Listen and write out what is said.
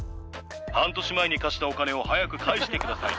半年前に貸したお金を早く返してください。